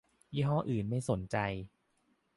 ยี่ห้ออื่นไม่แน่ใจ